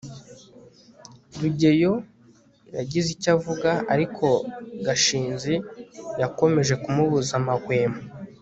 rugeyo yagize icyo avuga, ariko gashinzi yakomeje kumubuza amahwemo